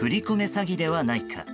詐欺ではないか。